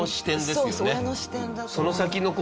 そうそう親の視点だと。